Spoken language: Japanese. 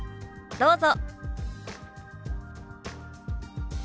どうぞ。